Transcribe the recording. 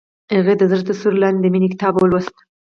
هغې د زړه تر سیوري لاندې د مینې کتاب ولوست.